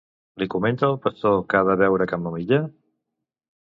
Li comenta el pastor que ha de beure camamilla?